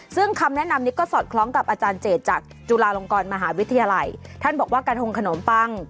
ซึ่งคำแนะนำนี้ก็สอดคล้องกับอาจารย์เจตจากจุฬาลงกรมหาวิทยาลัยท่านบอกว่ากระทงขนมปัง